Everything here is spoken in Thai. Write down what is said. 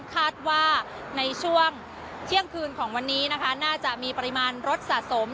คาดว่าในช่วงเที่ยงคืนของวันนี้นะคะน่าจะมีปริมาณรถสะสม